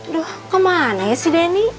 aduh kemana ya si danny